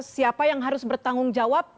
siapa yang harus bertanggung jawab